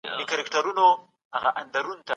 هغه به په لابراتوار کې خپله نسخه وګوري.